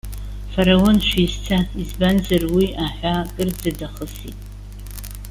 Фараон шәизца, избанзар уи аҳәаа кырӡа дахысит.